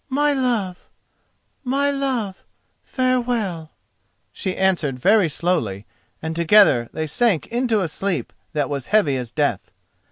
—my love—my love, farewell!" she answered very slowly, and together they sank into a sleep that was heavy as death.